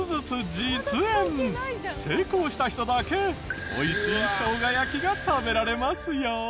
成功した人だけ美味しい生姜焼きが食べられますよ。